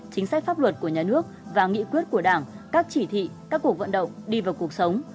chính sách pháp luật của nhà nước và nghị quyết của đảng các chỉ thị các cuộc vận động đi vào cuộc sống